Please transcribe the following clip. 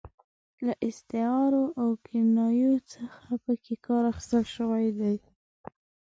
له استعارو او کنایو څخه پکې کار اخیستل شوی وي.